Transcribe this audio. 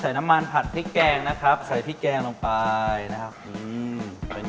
น้ำมันผัดพริกแกงนะครับใส่พริกแกงลงไปนะครับอืมเป็น